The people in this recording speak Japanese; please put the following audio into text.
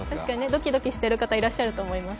ドキドキしている方いらっしゃると思います。